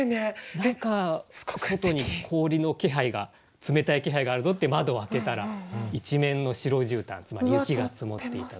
何か外に氷の気配が冷たい気配があるぞって窓を開けたら一面の白い絨毯つまり雪が積もっていたと。